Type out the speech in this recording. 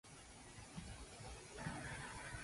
野球観戦が好きだ。